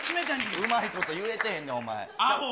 うまいこと言えてへんねん、あほ！